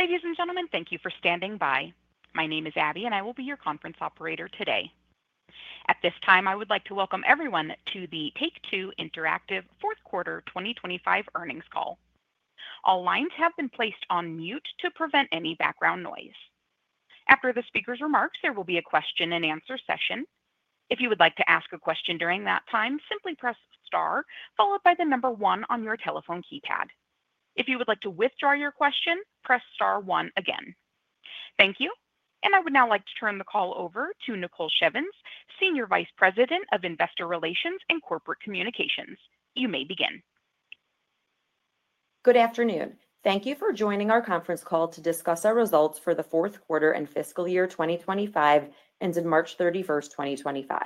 Ladies and gentlemen, thank you for standing by. My name is Abby, and I will be your conference operator today. At this time, I would like to welcome everyone to the Take-Two Interactive Fourth Quarter 2025 Earnings Call. All lines have been placed on mute to prevent any background noise. After the speaker's remarks, there will be a question-and-answer session. If you would like to ask a question during that time, simply press Star, followed by the number one on your telephone keypad. If you would like to withdraw your question, press Star one again. Thank you. I would now like to turn the call over to Nicole Shevins, Senior Vice President of Investor Relations and Corporate Communications. You may begin. Good afternoon. Thank you for joining our conference call to discuss our results for the fourth quarter and fiscal year 2025 ends March 31st, 2025.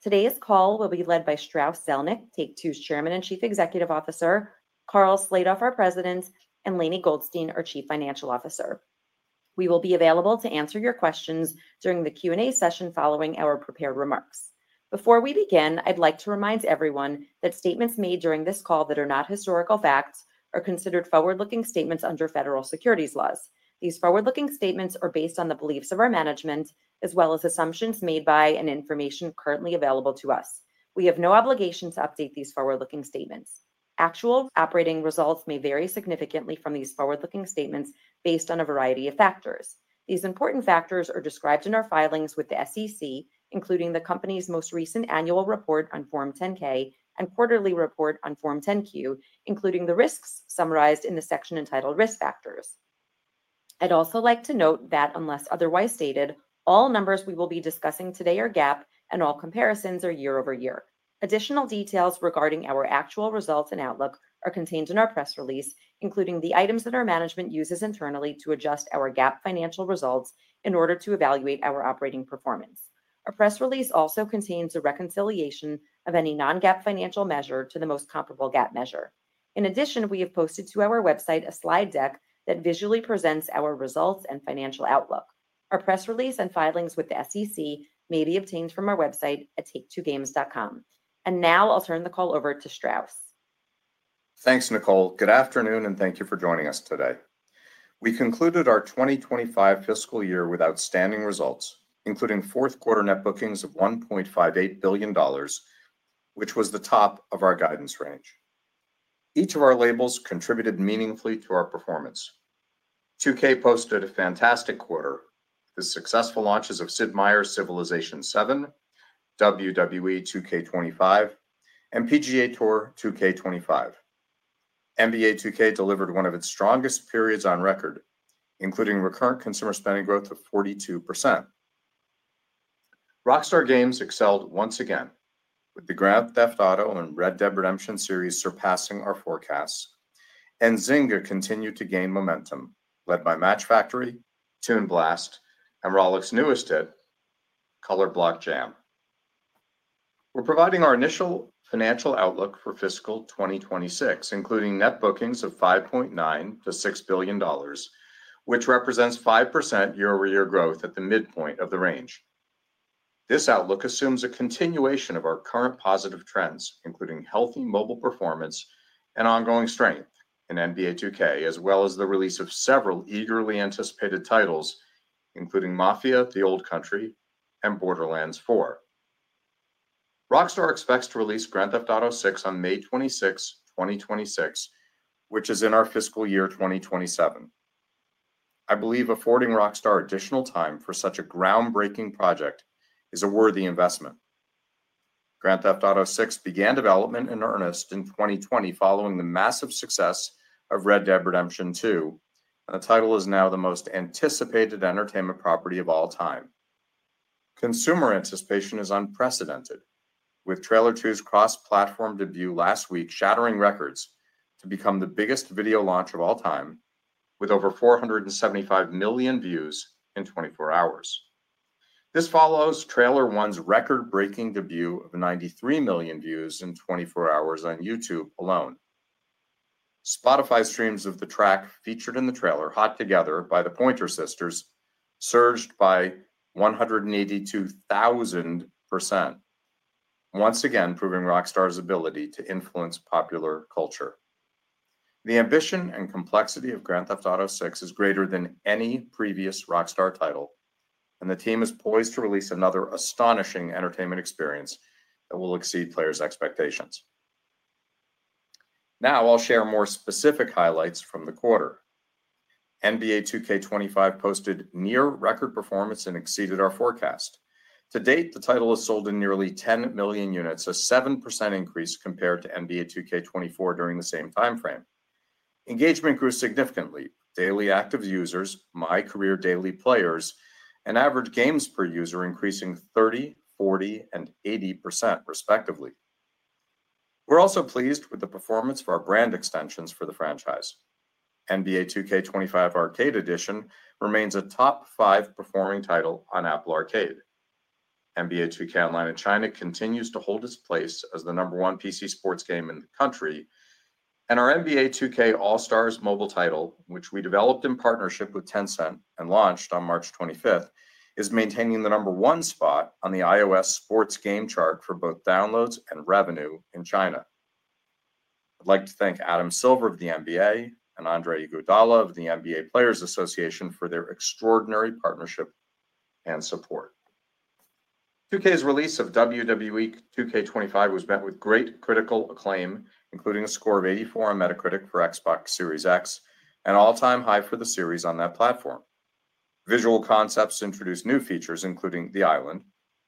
Today's call will be led by Strauss Zelnick, Take-Two's Chairman and Chief Executive Officer, Karl Slatoff, our President, and Lainie Goldstein, our Chief Financial Officer. We will be available to answer your questions during the Q&A session following our prepared remarks. Before we begin, I'd like to remind everyone that statements made during this call that are not historical facts are considered forward-looking statements under federal securities laws. These forward-looking statements are based on the beliefs of our management, as well as assumptions made by and information currently available to us. We have no obligation to update these forward-looking statements. Actual operating results may vary significantly from these forward-looking statements based on a variety of factors. These important factors are described in our filings with the SEC, including the company's most recent annual report on Form 10-K and quarterly report on Form 10-Q, including the risks summarized in the section entitled Risk Factors. I'd also like to note that, unless otherwise stated, all numbers we will be discussing today are GAAP, and all comparisons are year-over-year. Additional details regarding our actual results and outlook are contained in our press release, including the items that our management uses internally to adjust our GAAP financial results in order to evaluate our operating performance. Our press release also contains a reconciliation of any non-GAAP financial measure to the most comparable GAAP measure. In addition, we have posted to our website a slide deck that visually presents our results and financial outlook. Our press release and filings with the SEC may be obtained from our website at taketogames.com. I'll turn the call over to Strauss. Thanks, Nicole. Good afternoon, and thank you for joining us today. We concluded our 2025 fiscal year with outstanding results, including fourth quarter net bookings of $1.58 billion, which was the top of our guidance range. Each of our labels contributed meaningfully to our performance. 2K posted a fantastic quarter with the successful launches of Sid Meier's Civilization VII, WWE 2K25, and PGA Tour 2K25. NBA 2K delivered one of its strongest periods on record, including recurrent consumer spending growth of 42%. Rockstar Games excelled once again, with the Grand Theft Auto and Red Dead Redemption series surpassing our forecasts, and Zynga continued to gain momentum, led by Match Factory, Tune Blast, and Color Block Jam. We're providing our initial financial outlook for fiscal 2026, including net bookings of $5.9-$6 billion, which represents 5% year-over-year growth at the midpoint of the range. This outlook assumes a continuation of our current positive trends, including healthy mobile performance and ongoing strength in NBA 2K, as well as the release of several eagerly anticipated titles, including Mafia: The Old Country and Borderlands 4. Rockstar expects to release Grand Theft Auto VI on May 26, 2026, which is in our fiscal year 2027. I believe affording Rockstar additional time for such a groundbreaking project is a worthy investment. Grand Theft Auto VI began development in earnest in 2020, following the massive success of Red Dead Redemption 2, and the title is now the most anticipated entertainment property of all time. Consumer anticipation is unprecedented, with Trailer 2's cross-platform debut last week shattering records to become the biggest video launch of all time, with over 475 million views in 24 hours. This follows Trailer 1's record-breaking debut of 93 million views in 24 hours on YouTube alone. Spotify streams of the track featured in the trailer, "Hot Together" by the Pointer Sisters, surged by 182,000%, once again proving Rockstar's ability to influence popular culture. The ambition and complexity of Grand Theft Auto VI is greater than any previous Rockstar title, and the team is poised to release another astonishing entertainment experience that will exceed players' expectations. Now I'll share more specific highlights from the quarter. NBA 2K25 posted near-record performance and exceeded our forecast. To date, the title has sold in nearly 10 million units, a 7% increase compared to NBA 2K24 during the same timeframe. Engagement grew significantly: daily active users, My Career Daily Players, and average games per user increasing 30%, 40%, and 80%, respectively. We're also pleased with the performance for our brand extensions for the franchise. NBA 2K25 Arcade Edition remains a top five performing title on Apple Arcade. NBA 2K Online in China continues to hold its place as the number one PC sports game in the country, and our NBA 2K All-Stars mobile title, which we developed in partnership with Tencent and launched on March 25th, is maintaining the number one spot on the iOS sports game chart for both downloads and revenue in China. I'd like to thank Adam Silver of the NBA and Andre Iguodala of the NBA Players Association for their extraordinary partnership and support. 2K's release of WWE 2K25 was met with great critical acclaim, including a score of 84 on Metacritic for Xbox Series X, an all-time high for the series on that platform. Visual Concepts introduced new features, including The Island,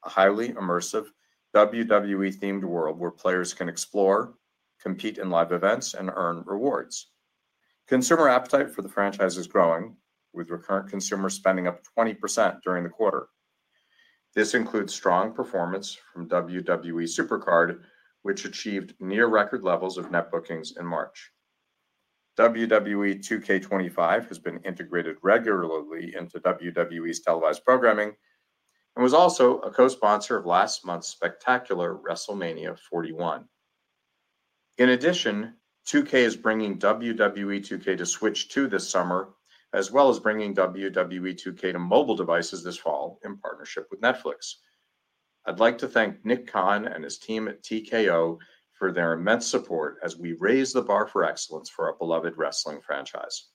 a highly immersive WWE-themed world where players can explore, compete in live events, and earn rewards. Consumer appetite for the franchise is growing, with recurrent consumer spending up to 20% during the quarter. This includes strong performance from WWE Supercard, which achieved near-record levels of net bookings in March. WWE 2K25 has been integrated regularly into WWE's televised programming and was also a co-sponsor of last month's spectacular WrestleMania 41. In addition, 2K is bringing WWE 2K to Switch 2 this summer, as well as bringing WWE 2K to mobile devices this fall in partnership with Netflix. I'd like to thank Nick Khan and his team at TKO for their immense support as we raise the bar for excellence for our beloved wrestling franchise.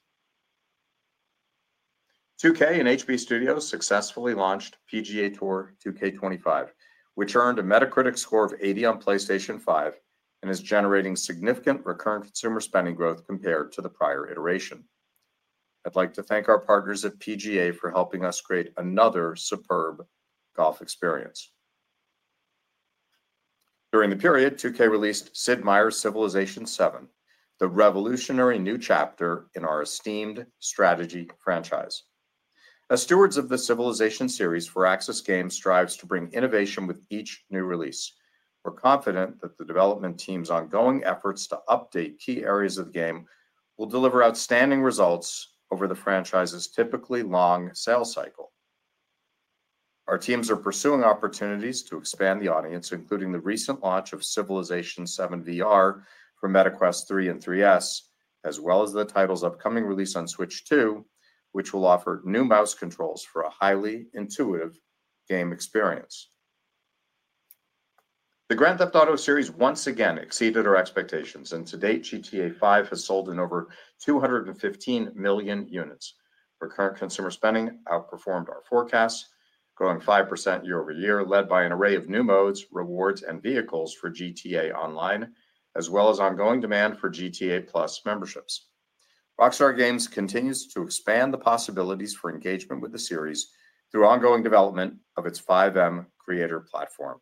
2K and HB Studios successfully launched PGA Tour 2K25, which earned a Metacritic score of 80 on PlayStation 5 and is generating significant recurrent consumer spending growth compared to the prior iteration. I'd like to thank our partners at PGA for helping us create another superb golf experience. During the period, 2K released Sid Meier's Civilization VII, the revolutionary new chapter in our esteemed strategy franchise. As stewards of the Civilization series, Firaxis Games strives to bring innovation with each new release. We're confident that the development team's ongoing efforts to update key areas of the game will deliver outstanding results over the franchise's typically long sales cycle. Our teams are pursuing opportunities to expand the audience, including the recent launch of Civilization VII VR for Meta Quest 3 and 3S, as well as the title's upcoming release on Switch 2, which will offer new mouse controls for a highly intuitive game experience. The Grand Theft Auto series once again exceeded our expectations, and to date, GTA V has sold in over 215 million units. Recurrent consumer spending outperformed our forecasts, growing 5% year-over-year, led by an array of new modes, rewards, and vehicles for GTA Online, as well as ongoing demand for GTA Plus memberships. Rockstar Games continues to expand the possibilities for engagement with the series through ongoing development of its 5M Creator platform.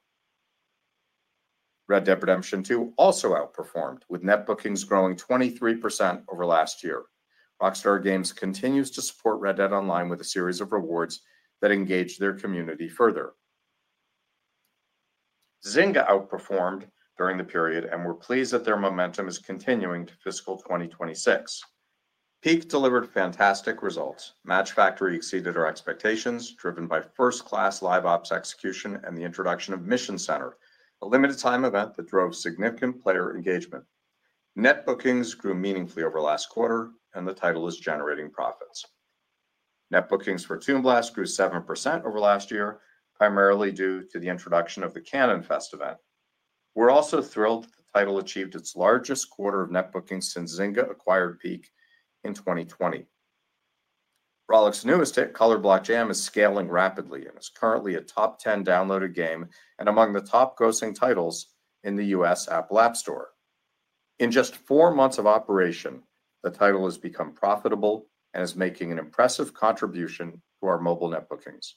Red Dead Redemption 2 also outperformed, with net bookings growing 23% over last year. Rockstar Games continues to support Red Dead Online with a series of rewards that engage their community further. Zynga outperformed during the period, and we're pleased that their momentum is continuing to fiscal 2026. Peak delivered fantastic results. Match Factory exceeded our expectations, driven by first-class live ops execution and the introduction of Mission Center, a limited-time event that drove significant player engagement. Net bookings grew meaningfully over last quarter, and the title is generating profits. Net bookings for Tune Blast grew 7% over last year, primarily due to the introduction of the Canon Fest event. We're also thrilled that the title achieved its largest quarter of net bookings since Zynga acquired Peak in 2020. Rollic's newest, Color Block Jam, is scaling rapidly and is currently a top 10 downloaded game and among the top grossing titles in the U.S. Apple App Store. In just four months of operation, the title has become profitable and is making an impressive contribution to our mobile net bookings.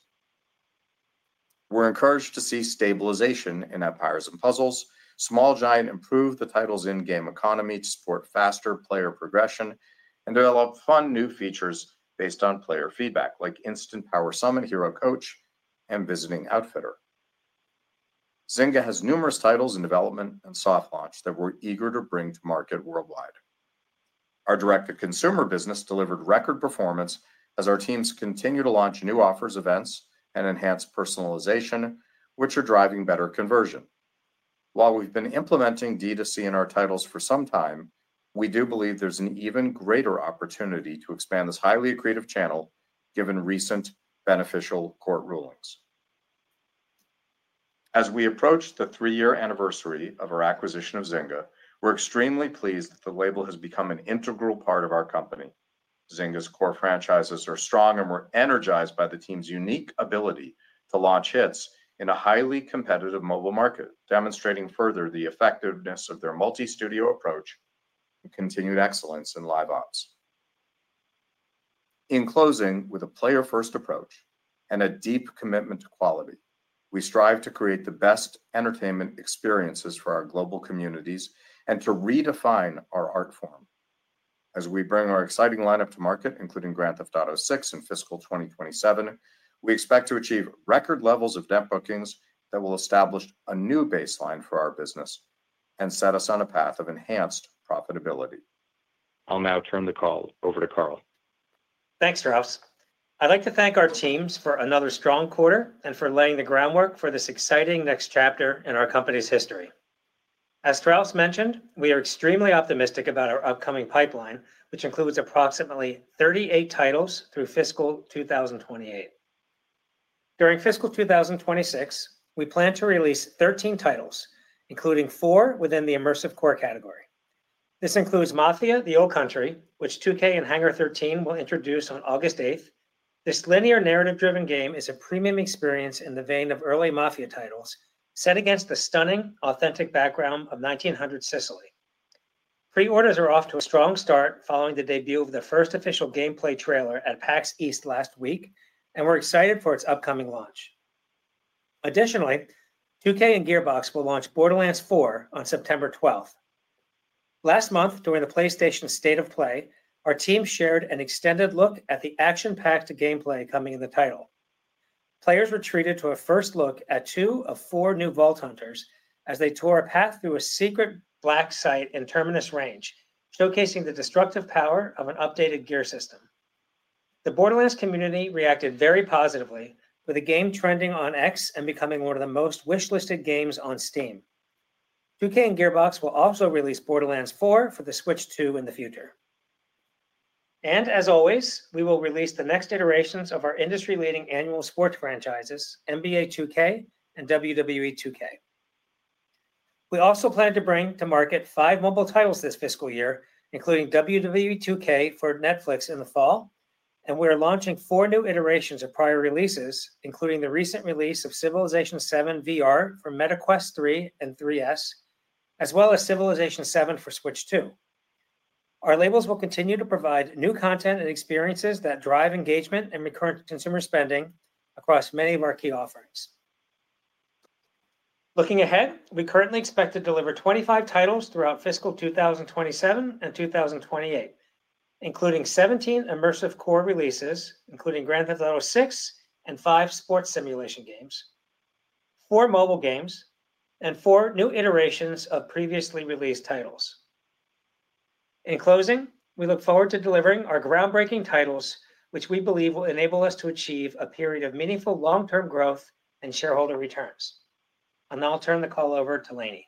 We're encouraged to see stabilization in Empires & Puzzles. Small Giant improved the title's in-game economy to support faster player progression and developed fun new features based on player feedback, like Instant Power Summon, Hero Coach, and Visiting Outfitter. Zynga has numerous titles in development and soft launch that we're eager to bring to market worldwide. Our direct-to-consumer business delivered record performance as our teams continue to launch new offers, events, and enhance personalization, which are driving better conversion. While we've been implementing D2C in our titles for some time, we do believe there's an even greater opportunity to expand this highly accretive channel given recent beneficial court rulings. As we approach the three-year anniversary of our acquisition of Zynga, we're extremely pleased that the label has become an integral part of our company. Zynga's core franchises are strong, and we're energized by the team's unique ability to launch hits in a highly competitive mobile market, demonstrating further the effectiveness of their multi-studio approach and continued excellence in live ops. In closing, with a player-first approach and a deep commitment to quality, we strive to create the best entertainment experiences for our global communities and to redefine our art form. As we bring our exciting lineup to market, including Grand Theft Auto VI in fiscal 2027, we expect to achieve record levels of net bookings that will establish a new baseline for our business and set us on a path of enhanced profitability. I'll now turn the call over to Karl. Thanks, Strauss. I'd like to thank our teams for another strong quarter and for laying the groundwork for this exciting next chapter in our company's history. As Strauss mentioned, we are extremely optimistic about our upcoming pipeline, which includes approximately 38 titles through fiscal 2028. During fiscal 2026, we plan to release 13 titles, including four within the immersive core category. This includes Mafia: The Old Country, which 2K and Hangar 13 will introduce on August 8. This linear narrative-driven game is a premium experience in the vein of early Mafia titles, set against the stunning, authentic background of 1900s Sicily. Pre-orders are off to a strong start following the debut of the first official gameplay trailer at PAX East last week, and we're excited for its upcoming launch. Additionally, 2K and Gearbox will launch Borderlands 4 on September 12. Last month, during the PlayStation State of Play, our team shared an extended look at the action-packed gameplay coming in the title. Players were treated to a first look at two of four new Vault Hunters as they tore a path through a secret black site in Terminus Range, showcasing the destructive power of an updated gear system. The Borderlands community reacted very positively, with the game trending on X and becoming one of the most wishlisted games on Steam. 2K and Gearbox will also release Borderlands 4 for the Switch 2 in the future. As always, we will release the next iterations of our industry-leading annual sports franchises, NBA 2K and WWE 2K. We also plan to bring to market five mobile titles this fiscal year, including WWE 2K for Netflix in the fall, and we are launching four new iterations of prior releases, including the recent release of Civilization VII VR for Meta Quest 3 and 3S, as well as Civilization VII for Switch 2. Our labels will continue to provide new content and experiences that drive engagement and recurrent consumer spending across many of our key offerings. Looking ahead, we currently expect to deliver 25 titles throughout fiscal 2027 and 2028, including 17 immersive core releases, including Grand Theft Auto VI and five sports simulation games, four mobile games, and four new iterations of previously released titles. In closing, we look forward to delivering our groundbreaking titles, which we believe will enable us to achieve a period of meaningful long-term growth and shareholder returns. I'll turn the call over to Lainie.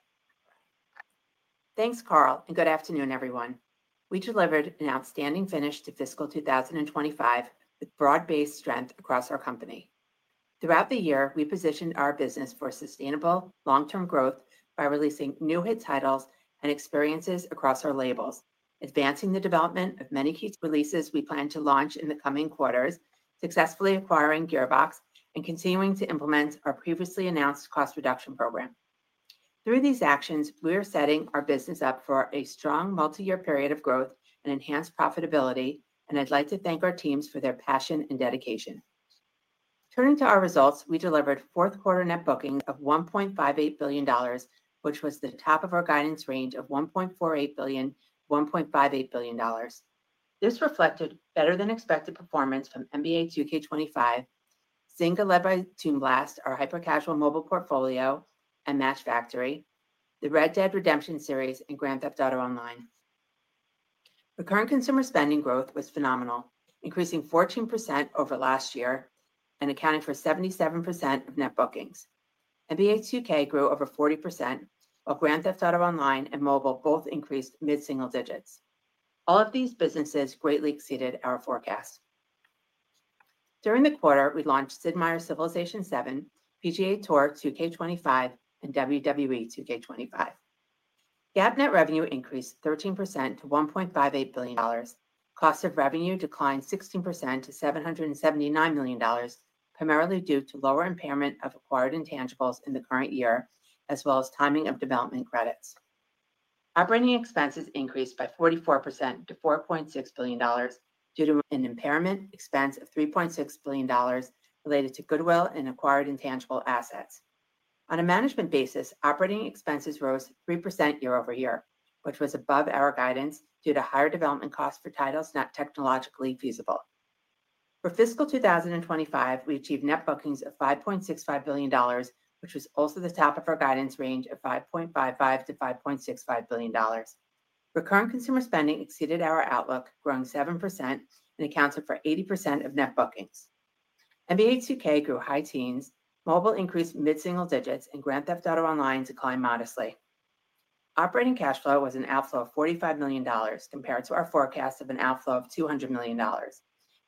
Thanks, Karl, and good afternoon, everyone. We delivered an outstanding finish to fiscal 2025 with broad-based strength across our company. Throughout the year, we positioned our business for sustainable long-term growth by releasing new hit titles and experiences across our labels, advancing the development of many key releases we plan to launch in the coming quarters, successfully acquiring Gearbox, and continuing to implement our previously announced cost reduction program. Through these actions, we are setting our business up for a strong multi-year period of growth and enhanced profitability, and I'd like to thank our teams for their passion and dedication. Turning to our results, we delivered fourth quarter net bookings of $1.58 billion, which was the top of our guidance range of $1.48 billion-$1.58 billion. This reflected better-than-expected performance from NBA 2K25, Zynga led by Tune Blast, our hyper-casual mobile portfolio, and Match Factory, the Red Dead Redemption series, and Grand Theft Auto Online. Recurrent consumer spending growth was phenomenal, increasing 14% over last year and accounting for 77% of net bookings. NBA 2K grew over 40%, while Grand Theft Auto Online and mobile both increased mid-single digits. All of these businesses greatly exceeded our forecast. During the quarter, we launched Sid Meier's Civilization VII, PGA Tour 2K25, and WWE 2K25. GAAP net revenue increased 13% to $1.58 billion. Cost of revenue declined 16% to $779 million, primarily due to lower impairment of acquired intangibles in the current year, as well as timing of development credits. Operating expenses increased by 44% to $4.6 billion due to an impairment expense of $3.6 billion related to goodwill and acquired intangible assets. On a management basis, operating expenses rose 3% year-over-year, which was above our guidance due to higher development costs for titles not technologically feasible. For fiscal 2025, we achieved net bookings of $5.65 billion, which was also the top of our guidance range of $5.55-$5.65 billion. Recurrent consumer spending exceeded our outlook, growing 7% and accounting for 80% of net bookings. NBA 2K grew high teens, mobile increased mid-single digits, and Grand Theft Auto Online declined modestly. Operating cash flow was an outflow of $45 million compared to our forecast of an outflow of $200 million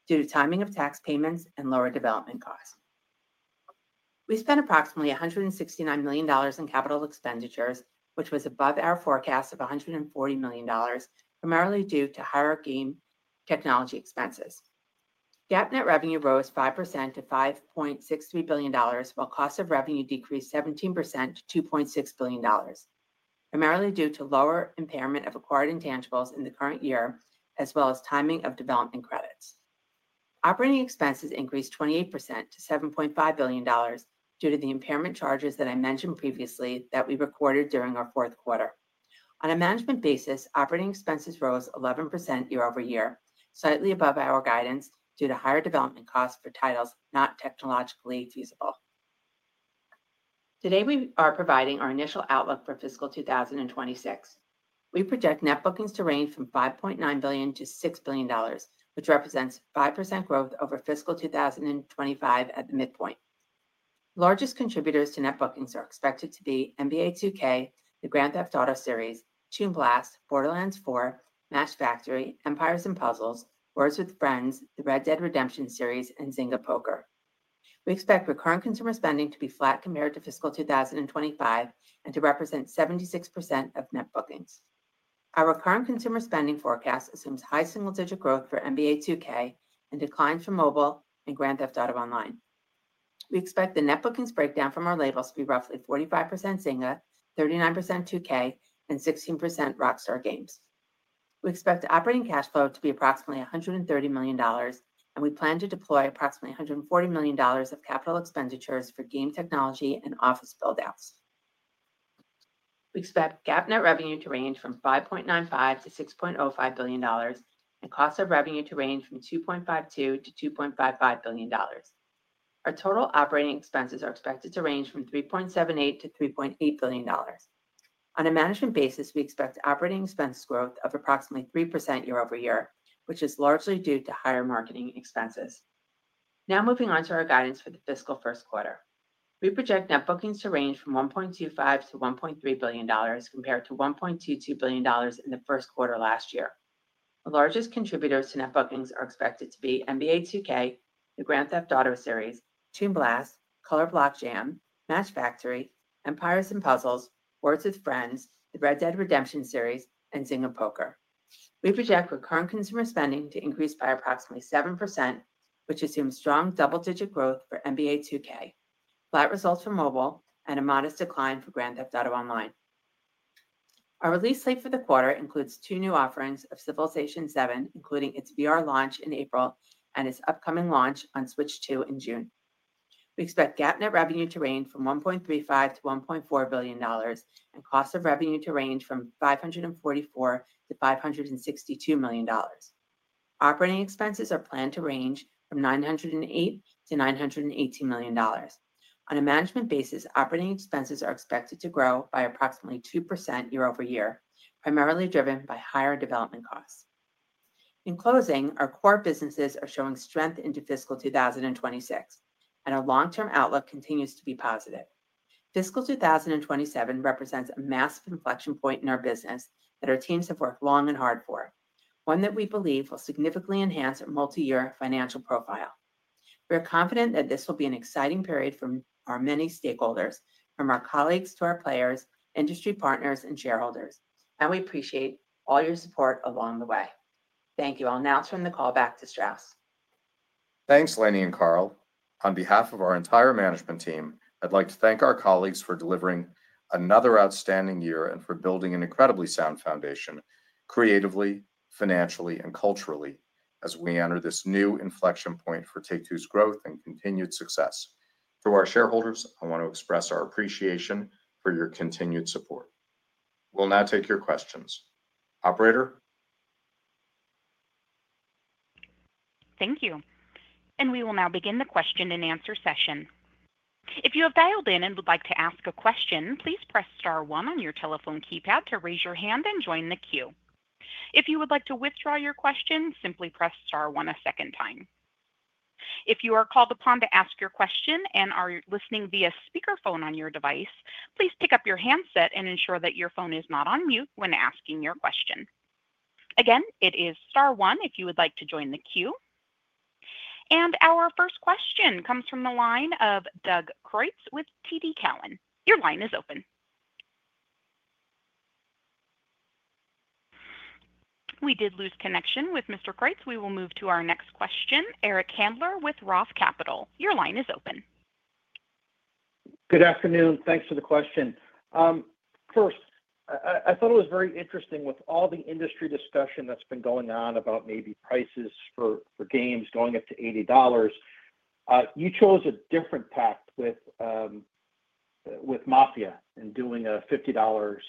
due to timing of tax payments and lower development costs. We spent approximately $169 million in capital expenditures, which was above our forecast of $140 million, primarily due to higher game technology expenses. GAAP net revenue rose 5% to $5.63 billion, while cost of revenue decreased 17% to $2.6 billion, primarily due to lower impairment of acquired intangibles in the current year, as well as timing of development credits. Operating expenses increased 28% to $7.5 billion due to the impairment charges that I mentioned previously that we recorded during our fourth quarter. On a management basis, operating expenses rose 11% year-over-year, slightly above our guidance due to higher development costs for titles not technologically feasible. Today, we are providing our initial outlook for fiscal 2026. We project net bookings to range from $5.9 billion-$6 billion, which represents 5% growth over fiscal 2025 at the midpoint. Largest contributors to net bookings are expected to be NBA 2K, the Grand Theft Auto series, Tune Blast, Borderlands 4, Match Factory, Empires & Puzzles, Words With Friends, the Red Dead Redemption series, and Zynga Poker. We expect recurrent consumer spending to be flat compared to fiscal 2025 and to represent 76% of net bookings. Our recurrent consumer spending forecast assumes high single-digit growth for NBA 2K and declines for mobile and Grand Theft Auto Online. We expect the net bookings breakdown from our labels to be roughly 45% Zynga, 39% 2K, and 16% Rockstar Games. We expect operating cash flow to be approximately $130 million, and we plan to deploy approximately $140 million of capital expenditures for game technology and office buildouts. We expect GAAP net revenue to range from $5.95 billion-$6.05 billion and cost of revenue to range from $2.52 billion-$2.55 billion. Our total operating expenses are expected to range from $3.78 billion-$3.8 billion. On a management basis, we expect operating expense growth of approximately 3% year-over-year, which is largely due to higher marketing expenses. Now moving on to our guidance for the fiscal first quarter. We project net bookings to range from $1.25 billion-$1.3 billion compared to $1.22 billion in the first quarter last year. The largest contributors to net bookings are expected to be NBA 2K, the Grand Theft Auto series, Tune Blast, Color Block Jam, Match Factory, Empires & Puzzles, Words With Friends, the Red Dead Redemption series, and Zynga Poker. We project recurrent consumer spending to increase by approximately 7%, which assumes strong double-digit growth for NBA 2K, flat results for mobile, and a modest decline for Grand Theft Auto Online. Our release slate for the quarter includes two new offerings of Civilization VII, including its VR launch in April and its upcoming launch on Switch 2 in June. We expect GAAP net revenue to range from $1.35 billion-$1.4 billion and cost of revenue to range from $544 million-$562 million. Operating expenses are planned to range from $908 million-$918 million. On a management basis, operating expenses are expected to grow by approximately 2% year-over-year, primarily driven by higher development costs. In closing, our core businesses are showing strength into fiscal 2026, and our long-term outlook continues to be positive. Fiscal 2027 represents a massive inflection point in our business that our teams have worked long and hard for, one that we believe will significantly enhance our multi-year financial profile. We are confident that this will be an exciting period for our many stakeholders, from our colleagues to our players, industry partners, and shareholders, and we appreciate all your support along the way. Thank you. I'll now turn the call back to Strauss. Thanks, Lainie and Karl. On behalf of our entire management team, I'd like to thank our colleagues for delivering another outstanding year and for building an incredibly sound foundation creatively, financially, and culturally as we enter this new inflection point for Take-Two's growth and continued success. To our shareholders, I want to express our appreciation for your continued support. We'll now take your questions. Operator. Thank you. We will now begin the question-and-answer session. If you have dialed in and would like to ask a question, please press star one on your telephone keypad to raise your hand and join the queue. If you would like to withdraw your question, simply press star one a second time. If you are called upon to ask your question and are listening via speakerphone on your device, please pick up your handset and ensure that your phone is not on mute when asking your question. Again, it is star one if you would like to join the queue. Our first question comes from the line of Doug Creutz with TD Cowen. Your line is open. We did lose connection with Mr. Creutz. We will move to our next question, Eric Handler with Roth Capital. Your line is open. Good afternoon. Thanks for the question. First, I thought it was very interesting with all the industry discussion that has been going on about maybe prices for games going up to $80. You chose a different path with Mafia and doing a $50,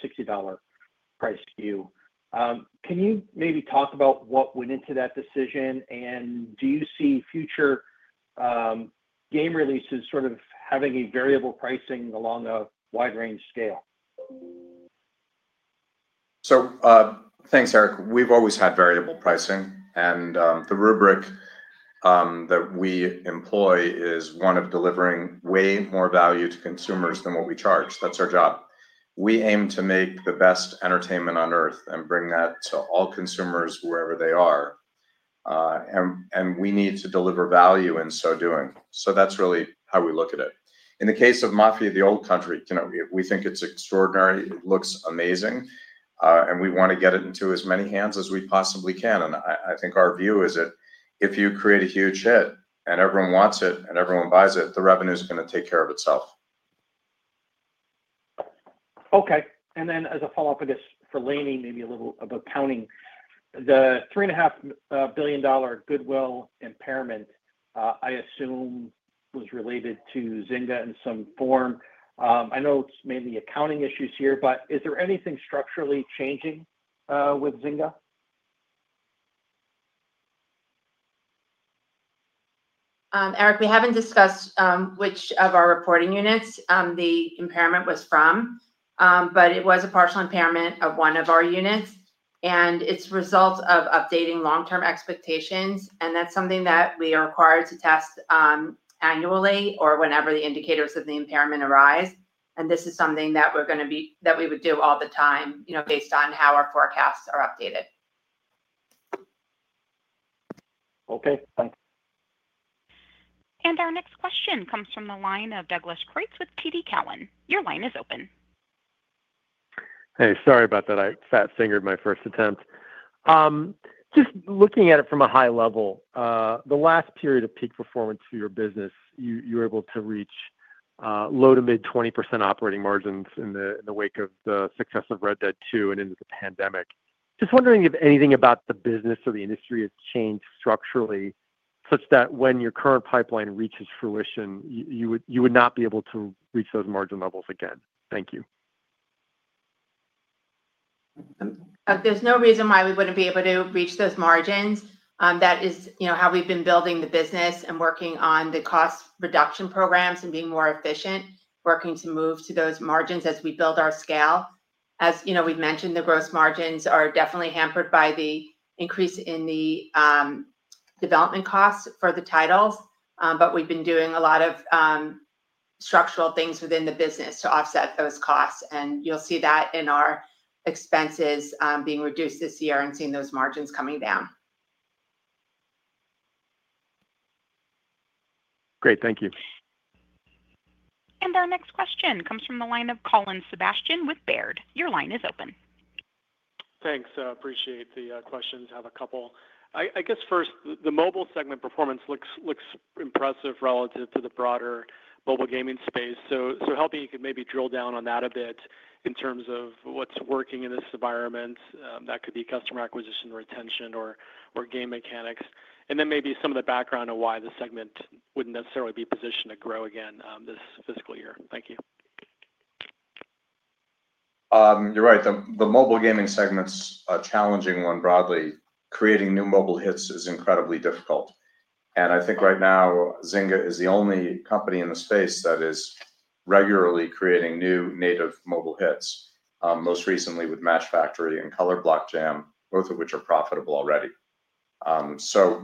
$60 price queue. Can you maybe talk about what went into that decision, and do you see future game releases sort of having variable pricing along a wide-range scale? Thanks, Eric. We've always had variable pricing, and the rubric that we employ is one of delivering way more value to consumers than what we charge. That's our job. We aim to make the best entertainment on earth and bring that to all consumers wherever they are. We need to deliver value in so doing. That's really how we look at it. In the case of Mafia: The Old Country, we think it's extraordinary. It looks amazing, and we want to get it into as many hands as we possibly can. I think our view is that if you create a huge hit and everyone wants it and everyone buys it, the revenue is going to take care of itself. Okay. As a follow-up for this, for Lainie, maybe a little about pounding. The $3.5 billion goodwill impairment, I assume, was related to Zynga in some form. I know it's mainly accounting issues here, but is there anything structurally changing with Zynga? Eric, we have not discussed which of our reporting units the impairment was from, but it was a partial impairment of one of our units, and it is a result of updating long-term expectations. That is something that we are required to test annually or whenever the indicators of the impairment arise. This is something that we would do all the time based on how our forecasts are updated. Okay. Thanks. Our next question comes from the line of Doug Creutz with TD Cowen. Your line is open. Hey, sorry about that. I fat-fingered my first attempt. Just looking at it from a high level, the last period of peak performance for your business, you were able to reach low to mid-20% operating margins in the wake of the success of Red Dead 2 and into the pandemic. Just wondering if anything about the business or the industry has changed structurally such that when your current pipeline reaches fruition, you would not be able to reach those margin levels again. Thank you. There's no reason why we wouldn't be able to reach those margins. That is how we've been building the business and working on the cost reduction programs and being more efficient, working to move to those margins as we build our scale. As we've mentioned, the gross margins are definitely hampered by the increase in the development costs for the titles, but we've been doing a lot of structural things within the business to offset those costs. You'll see that in our expenses being reduced this year and seeing those margins coming down. Great. Thank you. Our next question comes from the line of Colin Sebastian with Baird. Your line is open. Thanks. Appreciate the questions. Have a couple. I guess first, the mobile segment performance looks impressive relative to the broader mobile gaming space. Help me maybe drill down on that a bit in terms of what's working in this environment. That could be customer acquisition, retention, or game mechanics. Maybe some of the background of why the segment would not necessarily be positioned to grow again this fiscal year. Thank you. You're right. The mobile gaming segment's a challenging one broadly. Creating new mobile hits is incredibly difficult. I think right now, Zynga is the only company in the space that is regularly creating new native mobile hits, most recently with Match Factory and Color Block Jam, both of which are profitable already.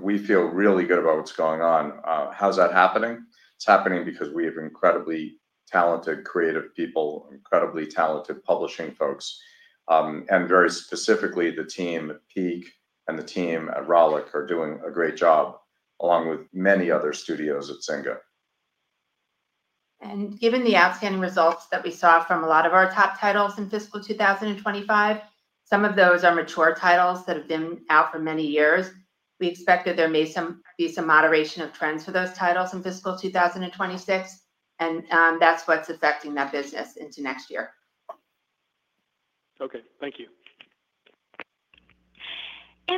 We feel really good about what's going on. How's that happening? It's happening because we have incredibly talented creative people, incredibly talented publishing folks, and very specifically, the team at Peak and the team at Rolic are doing a great job along with many other studios at Zynga. Given the outstanding results that we saw from a lot of our top titles in fiscal 2025, some of those are mature titles that have been out for many years. We expect that there may be some moderation of trends for those titles in fiscal 2026, and that's what's affecting that business into next year. Okay. Thank you.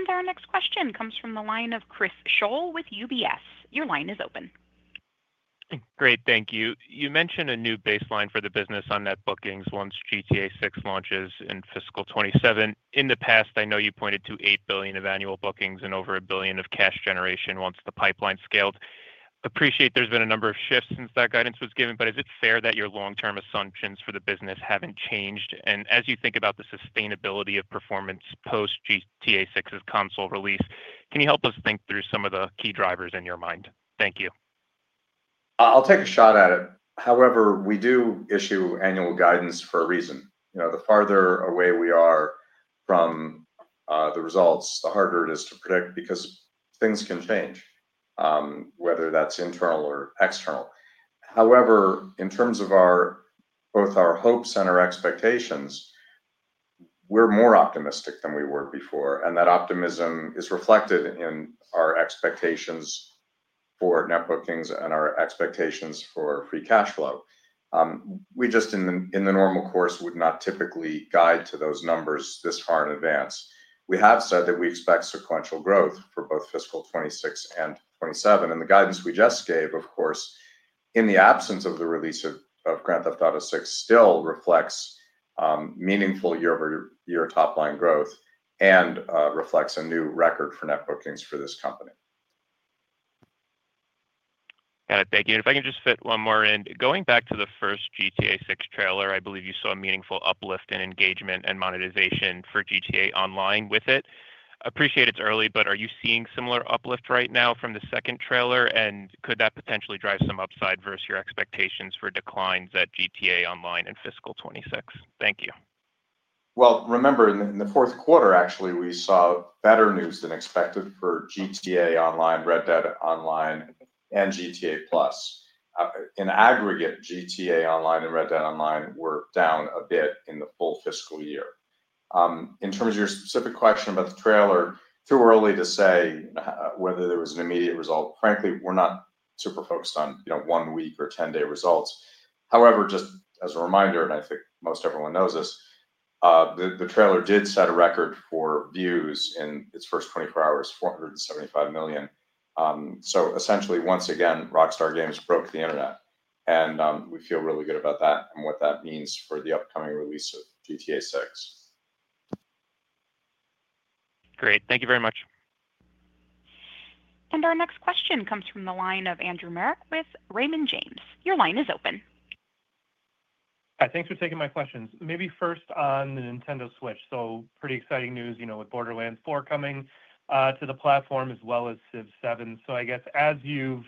Our next question comes from the line of Chris Schoell with UBS. Your line is open. Great. Thank you. You mentioned a new baseline for the business on net bookings once GTA VI launches in fiscal 2027. In the past, I know you pointed to $8 billion of annual bookings and over $1 billion of cash generation once the pipeline scaled. Appreciate there's been a number of shifts since that guidance was given, but is it fair that your long-term assumptions for the business haven't changed? As you think about the sustainability of performance post-GTA VI's console release, can you help us think through some of the key drivers in your mind? Thank you. I'll take a shot at it. However, we do issue annual guidance for a reason. The farther away we are from the results, the harder it is to predict because things can change, whether that's internal or external. However, in terms of both our hopes and our expectations, we're more optimistic than we were before. That optimism is reflected in our expectations for net bookings and our expectations for free cash flow. We just, in the normal course, would not typically guide to those numbers this far in advance. We have said that we expect sequential growth for both fiscal 2026 and 2027. The guidance we just gave, of course, in the absence of the release of Grand Theft Auto VI, still reflects meaningful year-over-year top-line growth and reflects a new record for net bookings for this company. Thank you. If I can just fit one more in. Going back to the first GTA VI trailer, I believe you saw a meaningful uplift in engagement and monetization for GTA Online with it. I appreciate it's early, but are you seeing similar uplift right now from the second trailer? Could that potentially drive some upside versus your expectations for declines at GTA Online in fiscal 2026? Thank you. Remember, in the fourth quarter, actually, we saw better news than expected for GTA Online, Red Dead Online, and GTA Plus. In aggregate, GTA Online and Red Dead Online were down a bit in the full fiscal year. In terms of your specific question about the trailer, too early to say whether there was an immediate result. Frankly, we're not super focused on one-week or 10-day results. However, just as a reminder, and I think most everyone knows this, the trailer did set a record for views in its first 24 hours, 475 million. Essentially, once again, Rockstar Games broke the internet. We feel really good about that and what that means for the upcoming release of GTA VI. Great. Thank you very much. Our next question comes from the line of Andrew Marok with Raymond James. Your line is open. Hi. Thanks for taking my questions. Maybe first on the Nintendo Switch. Pretty exciting news with Borderlands 4 coming to the platform as well as Civ VII. As you've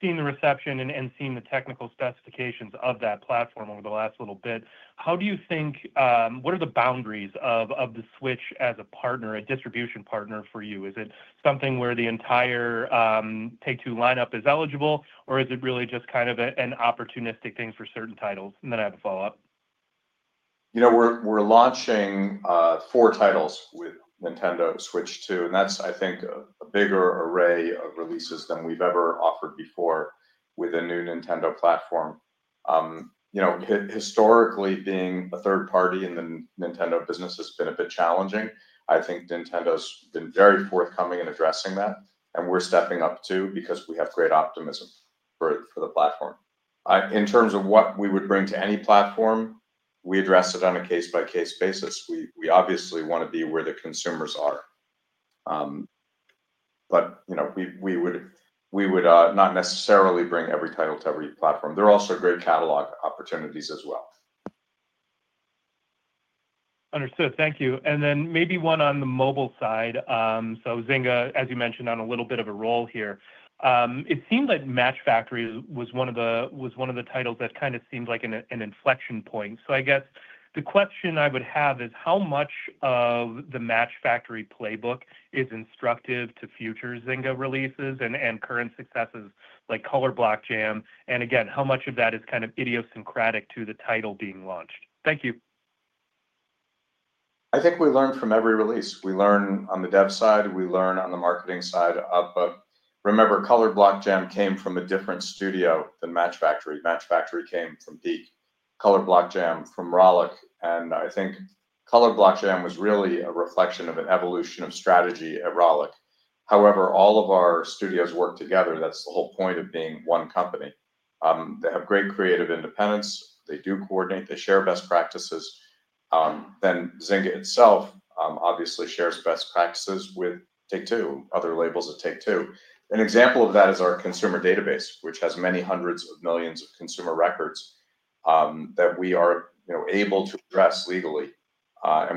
seen the reception and seen the technical specifications of that platform over the last little bit, how do you think, what are the boundaries of the Switch as a partner, a distribution partner for you? Is it something where the entire Take-Two lineup is eligible, or is it really just kind of an opportunistic thing for certain titles? I have a follow-up. We're launching four titles with Nintendo Switch 2, and that's, I think, a bigger array of releases than we've ever offered before with a new Nintendo platform. Historically, being a third party in the Nintendo business has been a bit challenging. I think Nintendo's been very forthcoming in addressing that, and we're stepping up too because we have great optimism for the platform. In terms of what we would bring to any platform, we address it on a case-by-case basis. We obviously want to be where the consumers are, but we would not necessarily bring every title to every platform. There are also great catalog opportunities as well. Understood. Thank you. Maybe one on the mobile side. Zynga, as you mentioned, on a little bit of a roll here. It seemed like Match Factory was one of the titles that kind of seemed like an inflection point. I guess the question I would have is how much of the Match Factory playbook is instructive to future Zynga releases and current successes like Color Block Jam? Again, how much of that is kind of idiosyncratic to the title being launched? Thank you. I think we learn from every release. We learn on the dev side. We learn on the marketing side. Remember, Color Block Jam came from a different studio than Match Factory. Match Factory came from Peak. Color Block Jam from Rolic. I think Color Block Jam was really a reflection of an evolution of strategy at Rolic. However, all of our studios work together. That is the whole point of being one company. They have great creative independence. They do coordinate. They share best practices. Zynga itself obviously shares best practices with Take-Two, other labels at Take-Two. An example of that is our consumer database, which has many hundreds of millions of consumer records that we are able to address legally.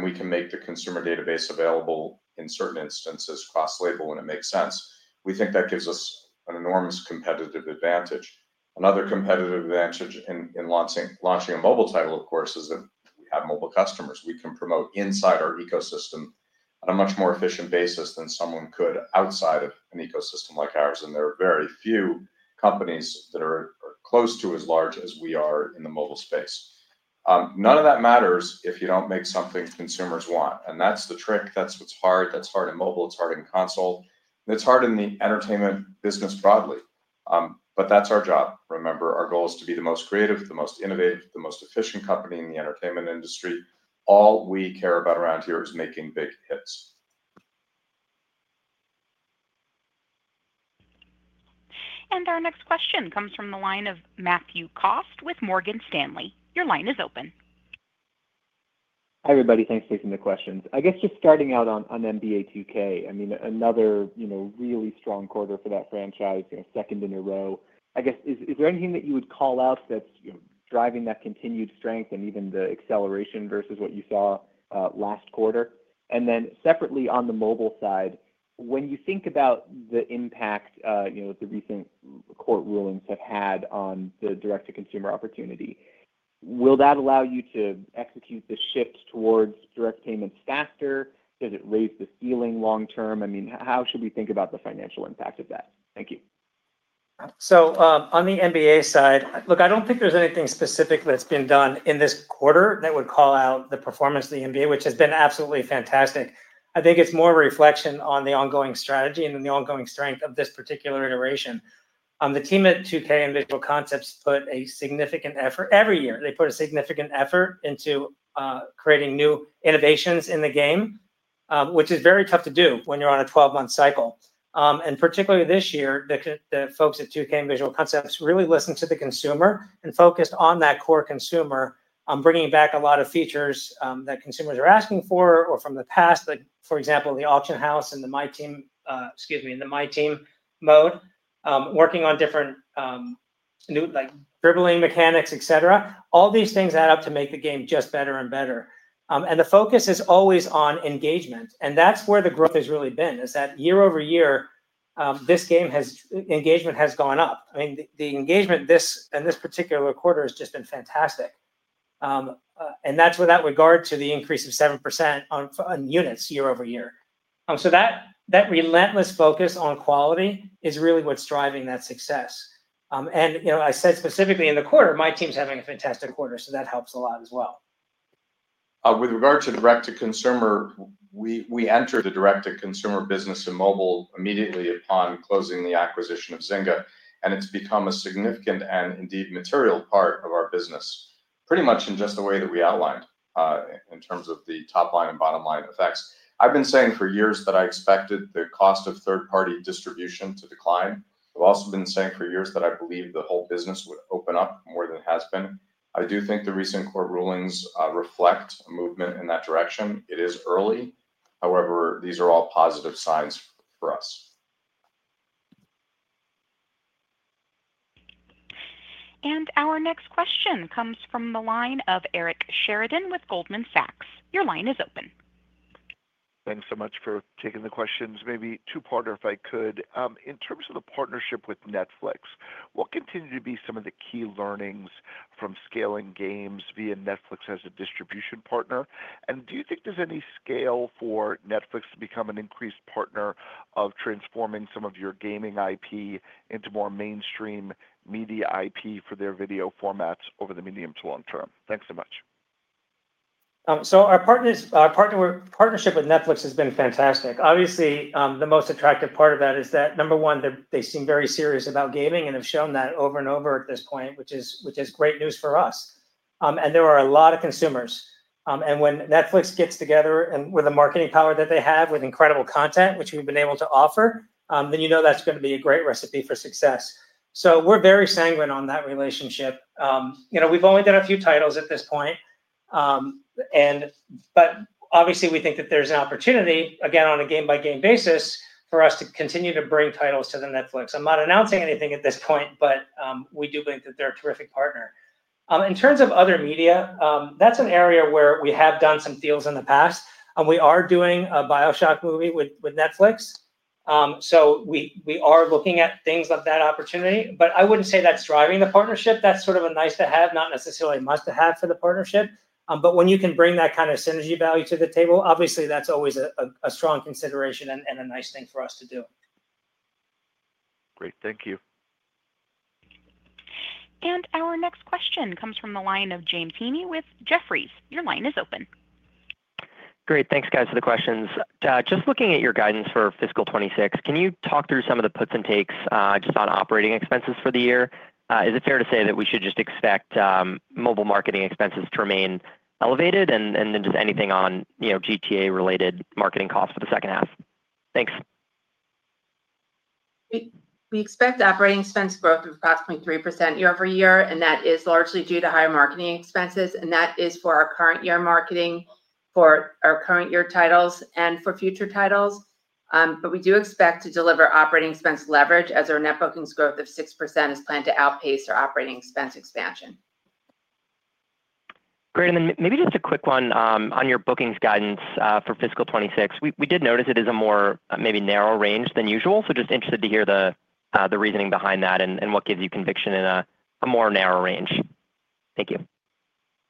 We can make the consumer database available in certain instances cross-label when it makes sense. We think that gives us an enormous competitive advantage. Another competitive advantage in launching a mobile title, of course, is that we have mobile customers. We can promote inside our ecosystem on a much more efficient basis than someone could outside of an ecosystem like ours. There are very few companies that are close to as large as we are in the mobile space. None of that matters if you do not make something consumers want. That is the trick. That is what is hard. That is hard in mobile. It is hard in console. It is hard in the entertainment business broadly. That is our job. Remember, our goal is to be the most creative, the most innovative, the most efficient company in the entertainment industry. All we care about around here is making big hits. Our next question comes from the line of Matthew Cost with Morgan Stanley. Your line is open. Hi, everybody. Thanks for taking the questions. I guess just starting out on NBA 2K, I mean, another really strong quarter for that franchise, second in a row. I guess, is there anything that you would call out that's driving that continued strength and even the acceleration versus what you saw last quarter? Then separately on the mobile side, when you think about the impact the recent court rulings have had on the direct-to-consumer opportunity, will that allow you to execute the shift towards direct payments faster? Does it raise the ceiling long-term? I mean, how should we think about the financial impact of that? Thank you. On the NBA side, look, I do not think there is anything specific that has been done in this quarter that would call out the performance of the NBA, which has been absolutely fantastic. I think it is more a reflection on the ongoing strategy and the ongoing strength of this particular iteration. The team at 2K and Visual Concepts put a significant effort every year. They put a significant effort into creating new innovations in the game, which is very tough to do when you are on a 12-month cycle. Particularly this year, the folks at 2K and Visual Concepts really listened to the consumer and focused on that core consumer, bringing back a lot of features that consumers are asking for or from the past, for example, the auction house and the My Team—excuse me—and the My Team mode, working on different dribbling mechanics, etc. All these things add up to make the game just better and better. The focus is always on engagement. That's where the growth has really been, is that year-over-year, this game's engagement has gone up. I mean, the engagement in this particular quarter has just been fantastic. That's without regard to the increase of 7% on units year-over-year. That relentless focus on quality is really what's driving that success. I said specifically in the quarter, my team's having a fantastic quarter, so that helps a lot as well. With regard to direct-to-consumer, we entered the direct-to-consumer business in mobile immediately upon closing the acquisition of Zynga. It has become a significant and indeed material part of our business, pretty much in just the way that we outlined in terms of the top-line and bottom-line effects. I have been saying for years that I expected the cost of third-party distribution to decline. I have also been saying for years that I believe the whole business would open up more than it has been. I do think the recent court rulings reflect a movement in that direction. It is early. However, these are all positive signs for us. Our next question comes from the line of Eric Sheridan with Goldman Sachs. Your line is open. Thanks so much for taking the questions. Maybe two-parter, if I could. In terms of the partnership with Netflix, what continue to be some of the key learnings from scaling games via Netflix as a distribution partner? Do you think there's any scale for Netflix to become an increased partner of transforming some of your gaming IP into more mainstream media IP for their video formats over the medium to long term? Thanks so much. Our partnership with Netflix has been fantastic. Obviously, the most attractive part of that is that, number one, they seem very serious about gaming and have shown that over and over at this point, which is great news for us. There are a lot of consumers. When Netflix gets together with the marketing power that they have with incredible content, which we have been able to offer, you know that is going to be a great recipe for success. We are very sanguine on that relationship. We have only done a few titles at this point. Obviously, we think that there is an opportunity, again, on a game-by-game basis for us to continue to bring titles to Netflix. I am not announcing anything at this point, but we do believe that they are a terrific partner. In terms of other media, that's an area where we have done some deals in the past. We are doing a BioShock movie with Netflix. We are looking at things like that opportunity. I would not say that's driving the partnership. That's sort of a nice-to-have, not necessarily a must-to-have for the partnership. When you can bring that kind of synergy value to the table, obviously, that's always a strong consideration and a nice thing for us to do. Great. Thank you. Our next question comes from the line of James Heaney with Jefferies. Your line is open. Great. Thanks, guys, for the questions. Just looking at your guidance for fiscal 2026, can you talk through some of the puts and takes just on operating expenses for the year? Is it fair to say that we should just expect mobile marketing expenses to remain elevated and then just anything on GTA-related marketing costs for the second half? Thanks. We expect operating expense growth of approximately 3% year-over-year, and that is largely due to higher marketing expenses. That is for our current-year marketing for our current-year titles and for future titles. We do expect to deliver operating expense leverage as our net bookings growth of 6% is planned to outpace our operating expense expansion. Great. Maybe just a quick one on your bookings guidance for fiscal 2026. We did notice it is a more maybe narrow range than usual. Just interested to hear the reasoning behind that and what gives you conviction in a more narrow range. Thank you.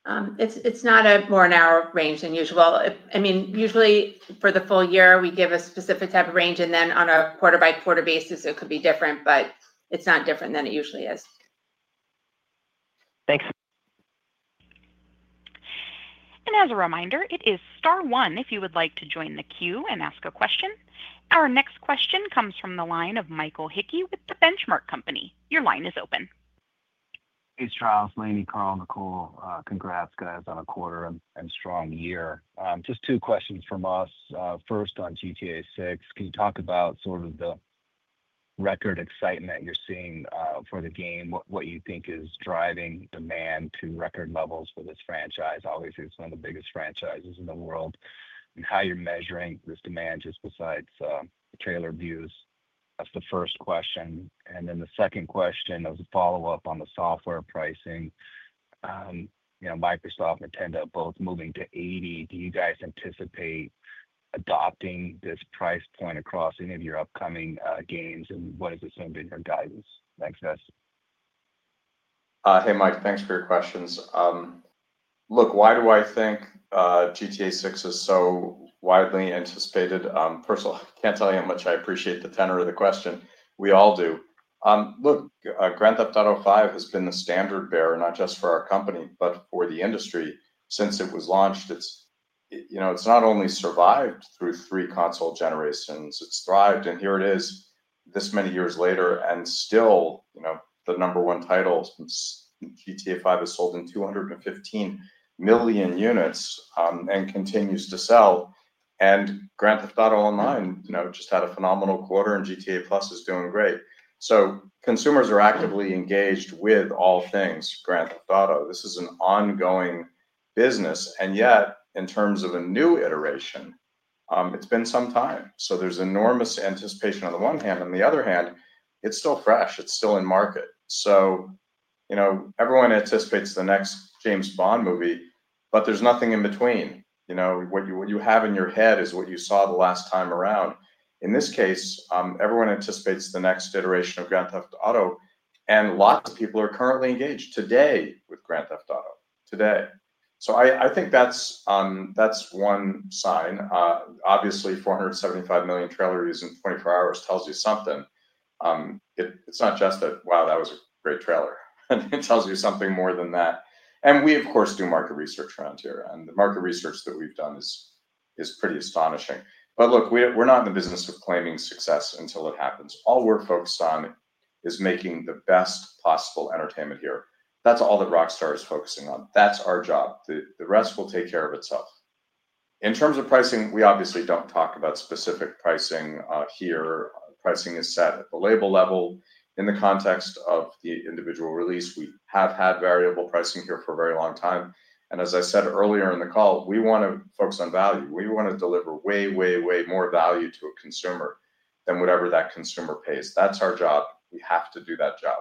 It's not a more narrow range than usual. I mean, usually, for the full year, we give a specific type of range. And then on a quarter-by-quarter basis, it could be different, but it's not different than it usually is. Thanks. As a reminder, it is Star One if you would like to join the queue and ask a question. Our next question comes from the line of Michael Hickey with the Benchmark Company. Your line is open. Hey, Charles, Lainie, Karl, Nicole, congrats, guys, on a quarter and strong year. Just two questions from us. First, on GTA 6, can you talk about sort of the record excitement you're seeing for the game, what you think is driving demand to record levels for this franchise? Obviously, it's one of the biggest franchises in the world. How you're measuring this demand just besides trailer views? That's the first question. The second question was a follow-up on the software pricing. Microsoft, Nintendo both moving to 80. Do you guys anticipate adopting this price point across any of your upcoming games, and what is assumed in your guidance? Thanks, guys. Hey, Mike. Thanks for your questions. Look, why do I think GTA VI is so widely anticipated? First of all, I can't tell you how much I appreciate the tenor of the question. We all do. Look, Grand Theft Auto V has been the standard bearer not just for our company, but for the industry since it was launched. It's not only survived through three console generations. It's thrived. Here it is this many years later, and still the number one title. GTA V has sold in 215 million units and continues to sell. Grand Theft Auto Online just had a phenomenal quarter, and GTA Plus is doing great. Consumers are actively engaged with all things Grand Theft Auto. This is an ongoing business. Yet, in terms of a new iteration, it's been some time. There's enormous anticipation on the one hand. On the other hand, it's still fresh. It's still in market. Everyone anticipates the next James Bond movie, but there's nothing in between. What you have in your head is what you saw the last time around. In this case, everyone anticipates the next iteration of Grand Theft Auto. Lots of people are currently engaged today with Grand Theft Auto. Today. I think that's one sign. Obviously, 475 million trailers in 24 hours tells you something. It's not just that, "Wow, that was a great trailer." It tells you something more than that. We, of course, do market research around here. The market research that we've done is pretty astonishing. Look, we're not in the business of claiming success until it happens. All we're focused on is making the best possible entertainment here. That's all that Rockstar is focusing on. That's our job. The rest will take care of itself. In terms of pricing, we obviously don't talk about specific pricing here. Pricing is set at the label level. In the context of the individual release, we have had variable pricing here for a very long time. As I said earlier in the call, we want to focus on value. We want to deliver way, way, way more value to a consumer than whatever that consumer pays. That's our job. We have to do that job.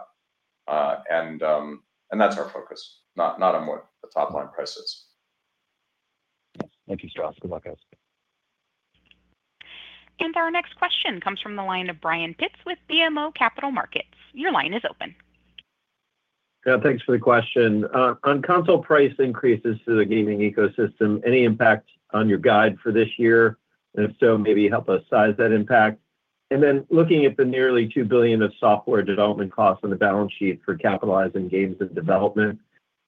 That's our focus, not on what the top-line price is. Thank you, Strauss. Good luck, guys. Our next question comes from the line of Brian Pitz with BMO Capital Markets. Your line is open. Yeah. Thanks for the question. On console price increases to the gaming ecosystem, any impact on your guide for this year? If so, maybe help us size that impact. Looking at the nearly $2 billion of software development costs on the balance sheet for capitalizing games and development,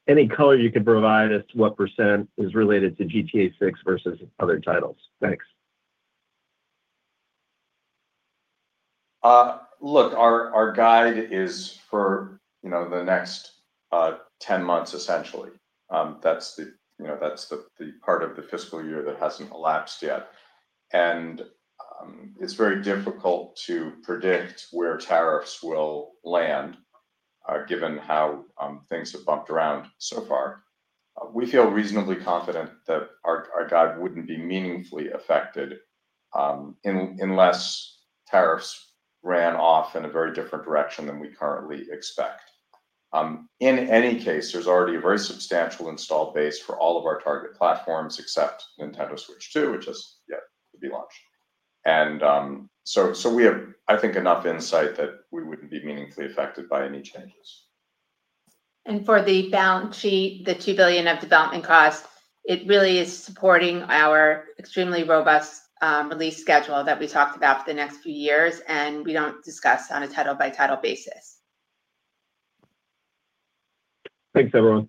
any color you can provide as to what percentage is related to GTA VI versus other titles? Thanks. Look, our guide is for the next 10 months, essentially. That's the part of the fiscal year that hasn't elapsed yet. It's very difficult to predict where tariffs will land given how things have bumped around so far. We feel reasonably confident that our guide wouldn't be meaningfully affected unless tariffs ran off in a very different direction than we currently expect. In any case, there's already a very substantial install base for all of our target platforms except Nintendo Switch 2, which is yet to be launched. We have, I think, enough insight that we wouldn't be meaningfully affected by any changes. For the balance sheet, the $2 billion of development costs, it really is supporting our extremely robust release schedule that we talked about for the next few years. We do not discuss on a title-by-title basis. Thanks, everyone.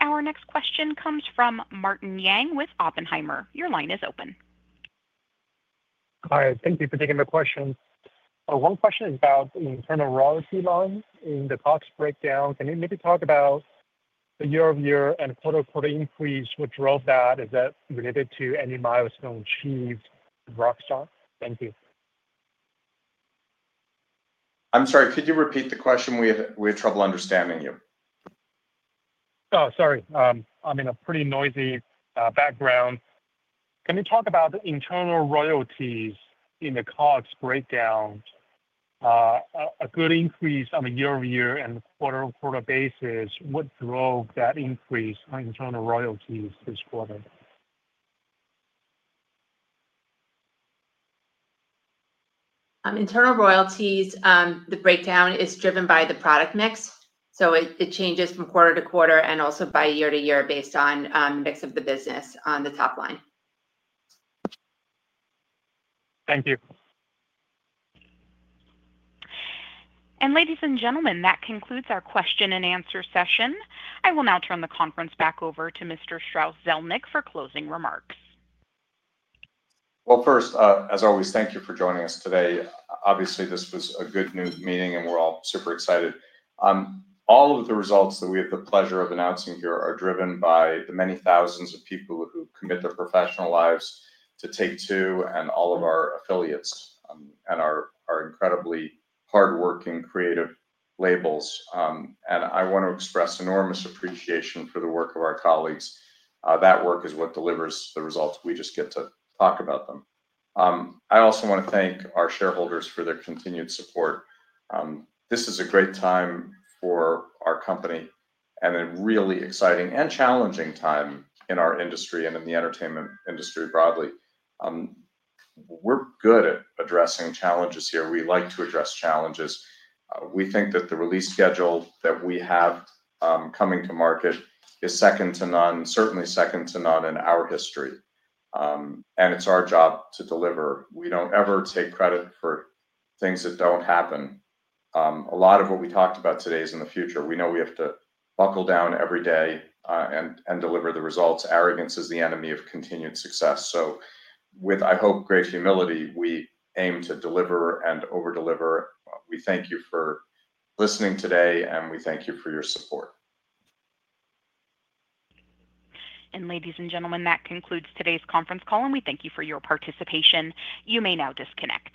Our next question comes from Martin Yang with Oppenheimer. Your line is open. Hi. Thank you for taking the question. One question is about the internal royalty line in the cost breakdown. Can you maybe talk about the year-over-year and quarter-to-quarter increase? What drove that? Is that related to any milestone achieved with Rockstar? Thank you. I'm sorry. Could you repeat the question? We had trouble understanding you. Oh, sorry. I'm in a pretty noisy background. Can you talk about the internal royalties in the cost breakdown? A good increase on a year-over-year and quarter-to-quarter basis. What drove that increase on internal royalties this quarter? Internal royalties, the breakdown is driven by the product mix. It changes from quarter to quarter and also by year to year based on the mix of the business on the top line. Thank you. Ladies and gentlemen, that concludes our question-and-answer session. I will now turn the conference back over to Mr. Strauss Zelnick for closing remarks. First, as always, thank you for joining us today. Obviously, this was a good new meeting, and we're all super excited. All of the results that we have the pleasure of announcing here are driven by the many thousands of people who commit their professional lives to Take-Two and all of our affiliates and our incredibly hardworking, creative labels. I want to express enormous appreciation for the work of our colleagues. That work is what delivers the results. We just get to talk about them. I also want to thank our shareholders for their continued support. This is a great time for our company and a really exciting and challenging time in our industry and in the entertainment industry broadly. We're good at addressing challenges here. We like to address challenges. We think that the release schedule that we have coming to market is second to none, certainly second to none in our history. It is our job to deliver. We do not ever take credit for things that do not happen. A lot of what we talked about today is in the future. We know we have to buckle down every day and deliver the results. Arrogance is the enemy of continued success. With, I hope, great humility, we aim to deliver and overdeliver. We thank you for listening today, and we thank you for your support. Ladies and gentlemen, that concludes today's conference call. We thank you for your participation. You may now disconnect.